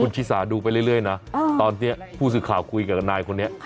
ชิสาดูไปเรื่อยนะตอนนี้ผู้สื่อข่าวคุยกับนายคนนี้